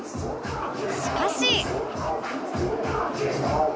しかし